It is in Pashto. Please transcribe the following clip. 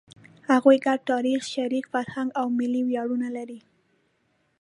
هغوی ګډ تاریخ، شریک فرهنګ او ملي ویاړونه لري.